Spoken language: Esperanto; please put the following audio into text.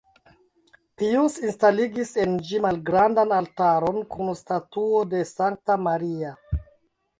Pijus instaligis en ĝi malgrandan altaron kun statuo de Sankta Maria.